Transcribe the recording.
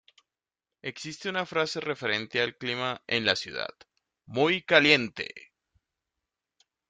Existe una frase referente al clima en la ciudad "Muy caliente!